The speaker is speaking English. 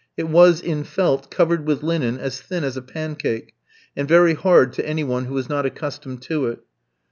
It was in felt, covered with linen, as thin as a pancake, and very hard to any one who was not accustomed to it.